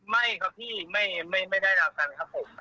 ไม่ครับพี่ไม่ได้ราวกันครับผม